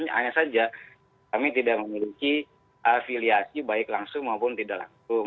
hanya saja kami tidak memiliki afiliasi baik langsung maupun tidak langsung